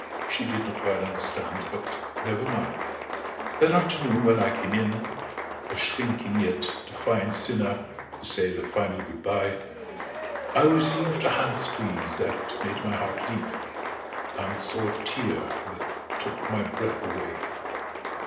She did not quite understand but never mind. That afternoon when I came in, a shrinking yet defiant sinner, to say the final good bye I received a hand squeeze that made my heart leap and saw a tear that took my breath away.